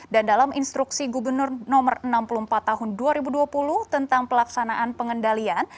dan dalam instruksi gubernur nomor enam puluh empat tahun dua ribu dua puluh tentang pelaksanaan pengendalian